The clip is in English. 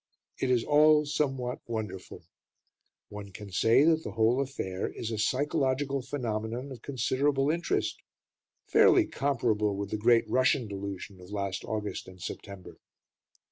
It is all somewhat wonderful; one can say that the whole affair is a psychological phenomenon of considerable interest, fairly comparable with the great Russian delusion of last August and September.